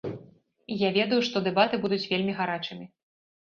І я ведаю, што дэбаты будуць вельмі гарачымі.